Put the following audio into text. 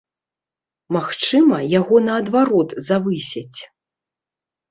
Магчыма, яго наадварот завысяць!